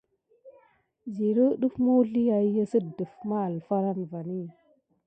Zilu ɗef ɗe mulial iki mis kedakisi pay apanisou si magrani.